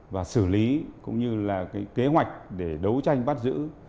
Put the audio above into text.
và xử lý cũng như là cái kế hoạch để đấu tranh bắt giữ